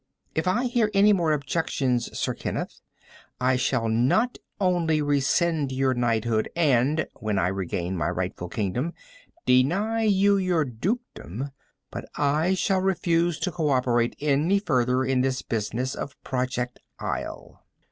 "If I hear any more objections, Sir Kenneth, I shall not only rescind your knighthood and when I regain my rightful kingdom deny you your dukedom, but I shall refuse to co operate any further in the business of Project Isle."